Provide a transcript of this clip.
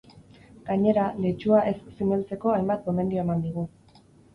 Gainera, letxua ez zimeltzeko hainbat gomendio eman digu.